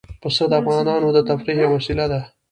پسه د افغانانو د تفریح یوه وسیله ده.